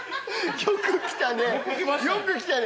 よく来たね。